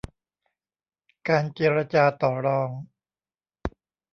การเจรจาต่อรอง